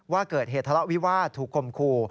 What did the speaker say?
ว่าเกิดเหตุทะเลาะวิวาสถูกคมคู่